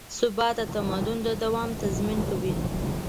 ثبات د تمدن د دوام تضمین کوي.